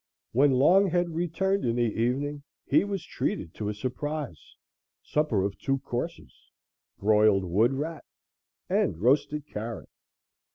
When Longhead returned in the evening he was treated to a surprise supper of two courses, broiled wood rat and roasted carrot.